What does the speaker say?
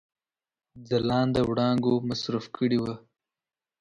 ځلانده وړانګو مصروف کړي وه.